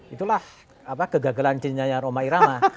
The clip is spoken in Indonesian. itulah kegagalan cintanya roma irama